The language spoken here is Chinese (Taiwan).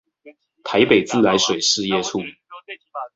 臺北自來水事業處